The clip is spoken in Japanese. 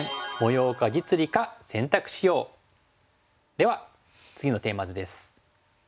では次のテーマ図です。